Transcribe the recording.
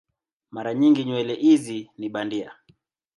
Mara nyingi nywele hizi ni bandia.